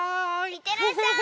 いってらっしゃい。